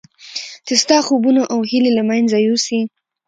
چې ستا خوبونه او هیلې له منځه یوسي.